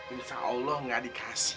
insya allah gak dikasih